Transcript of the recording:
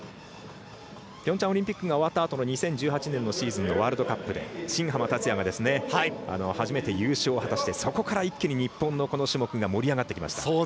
ピョンチャンオリンピックが終わったあとの２０１８年のシーズンのワールドカップで新濱立也が初めて優勝を果たしてそこから一気に日本のこの種目が盛り上がってきました。